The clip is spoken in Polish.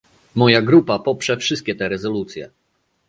Moja grupa poprze wszystkie te rezolucje